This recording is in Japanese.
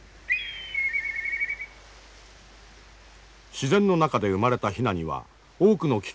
自然の中で生まれたヒナには多くの危険が待ち受ける。